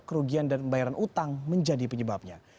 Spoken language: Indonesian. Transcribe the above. kerugian dan pembayaran utang menjadi penyebabnya